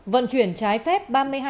vận chuyển trái phép